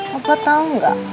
papa tau gak